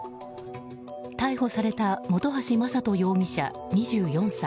逮捕された本橋真人容疑者、２４歳。